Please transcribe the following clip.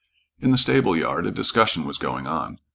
In the stable yard a discussion was going on.